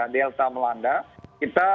delta melanda kita